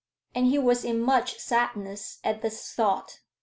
And he was in much sadness at this thought.